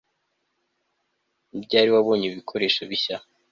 Ni ryari wabonye ibi bikoresho bishya